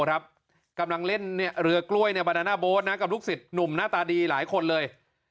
เรือกล้วยบินานะกับลูกศิษย์หนุมหน้าตาดีหลายคนเลย